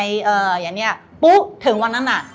อย่างนี้ปุ๊บถึงวันนั้นน่ะ